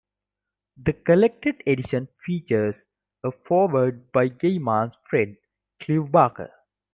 The collected edition features a foreword by Gaiman's friend Clive Barker.